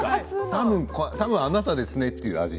多分あなたですねっていう味。